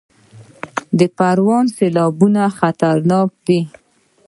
د پروان سیلابونه خطرناک دي